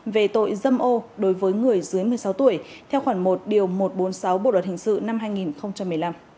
về tội dâm ô đối với người dưới một mươi sáu tuổi theo khoảng một một trăm bốn mươi sáu bộ luật hình sự năm hai nghìn một mươi năm